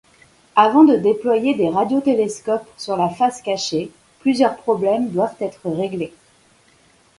Avant de déployer des radiotélescopes sur la face cachée, plusieurs problèmes doivent être réglés.